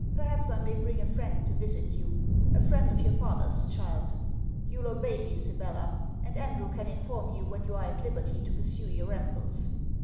Perhaps I may bring a friend to visit you. A friend of your father's, child. You'll obey me, Sibella. And Andrew can inform you when you are at liberty to pursue your rambles.'